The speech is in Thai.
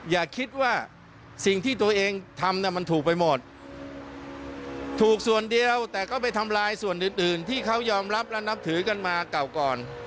อย่าคิดว่าสิ่งที่ตัวเองทำมันถูกไปหมดถูกส่วนเดียวแต่ก็ไปทำลายส่วนอื่นอื่นที่เขายอมรับและนับถือกันมาเก่าก่อน